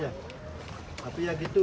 nanti kita akan lihat